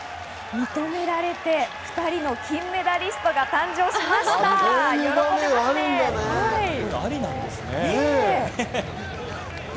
認められて２人の金メダリストが誕生しました。